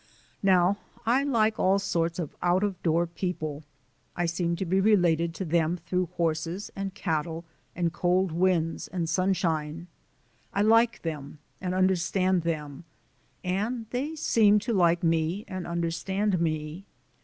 Now I like all sorts of out of door people: I seem to be related to them through horses and cattle and cold winds and sunshine. I like them and understand them, and they seem to like me and understand me.